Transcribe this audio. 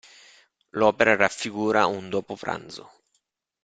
L'opera raffigura un dopo pranzo.